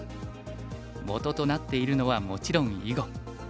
元となっているのはもちろん囲碁。